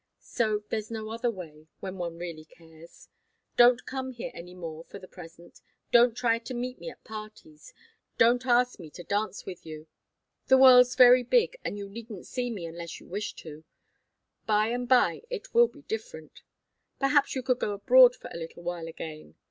So there's no other way when one really cares. Don't come here any more for the present don't try to meet me at parties don't ask me to dance with you. The world's very big, and you needn't see me unless you wish to. By and by it will be different. Perhaps you could go abroad for a little while again.